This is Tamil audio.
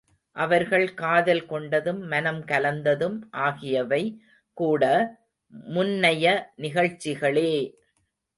அவர்கள் காதல் கொண்டதும் மனம் கலந்ததும் ஆகியவை கூட முன்னைய நிகழ்ச்சிகளே!